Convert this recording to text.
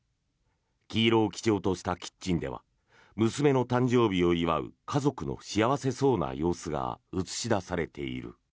黄色を基調としたキッチンでは娘の誕生日を祝う家族の幸せそうな様子が映し出されている。